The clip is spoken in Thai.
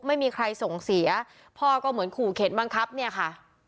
ไม่มีใครส่งเสียพ่อก็เหมือนขู่เข็นบังคับเนี่ยค่ะ